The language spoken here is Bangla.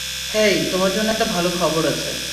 হেই, তোমার জন্য একটা ভালো খবর আছে।